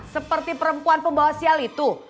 seperti perempuan pembawa sial itu